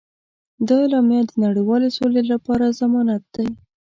دا اعلامیه د نړیوالې سولې لپاره ضمانت دی.